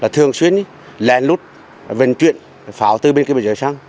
thường xuyên lèn lút vận chuyển pháo từ biên giới sang